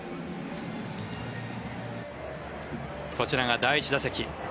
こちらが第１打席。